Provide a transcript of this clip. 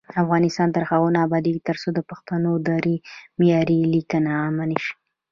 افغانستان تر هغو نه ابادیږي، ترڅو د پښتو او دري معیاري لیکنه عامه نشي.